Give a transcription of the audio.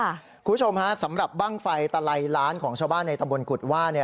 คุณผู้ชมฮะสำหรับบ้างไฟตะไลล้านของชาวบ้านในตำบลกุฎว่า